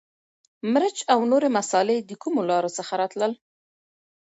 مرچ او نورې مسالې د کومو لارو څخه راتلل؟